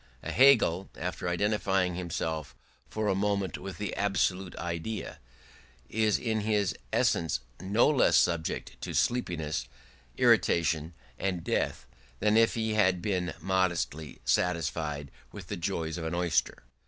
A Hegel, after identifying himself for a moment with the Absolute Idea, is in his existence no less subject to sleepiness, irritation, and death than if he had been modestly satisfied with the joys of an oyster.